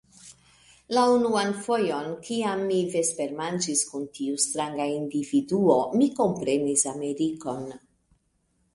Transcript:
La unuan fojon, kiam mi vespermanĝis kun tiu stranga individuo, mi komprenis Amerikon.